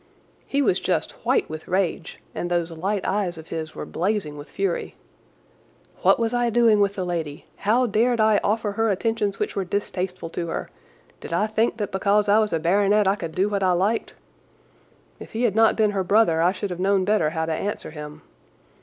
He was just white with rage, and those light eyes of his were blazing with fury. What was I doing with the lady? How dared I offer her attentions which were distasteful to her? Did I think that because I was a baronet I could do what I liked? If he had not been her brother I should have known better how to answer him.